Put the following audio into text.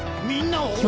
みんなを！？